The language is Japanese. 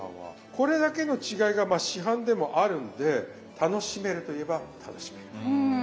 これだけの違いがまあ市販でもあるんで楽しめるといえば楽しめる。